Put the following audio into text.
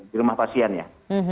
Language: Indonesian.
di rumah pasien ya